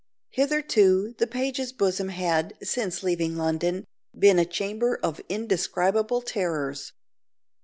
Hitherto the page's bosom had, since leaving London, been a chamber of indescribable terrors.